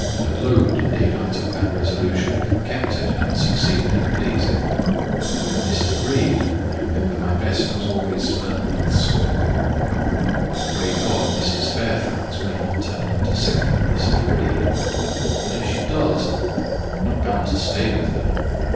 At Lowood, indeed, I took that resolution, kept it, and succeeded in pleasing; but with Mrs. Reed, I remember my best was always spurned with scorn. I pray God Mrs. Fairfax may not turn out a second Mrs. Reed; but if she does, I am not bound to stay with her!